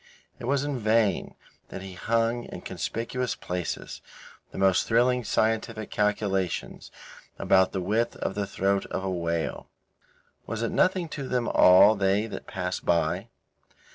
It was in vain that he hung in conspicuous places the most thrilling scientific calculations about the width of the throat of a whale. Was it nothing to them all they that passed by?